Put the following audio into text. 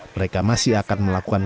mereka masih akan melakukan